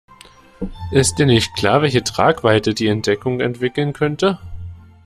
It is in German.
Ist dir nicht klar, welche Tragweite die Entdeckung entwickeln könnte?